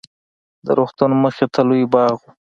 د روغتون مخې ته لوى باغ و.